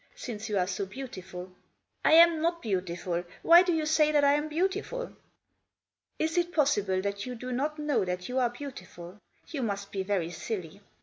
Since you are so beautiful." " I am not beautiful. Why do you say that I am beautiful?" " Is it possible that you do not know that you are beautiful? You must be very silly.